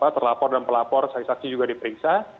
terlapor dan pelapor saksi saksi juga diperiksa